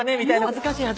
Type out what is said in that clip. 恥ずかしい。